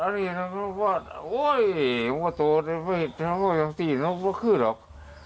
อันนี้หลังพ่อโอ้ยหัวตัวติดต้องเข้าหรอก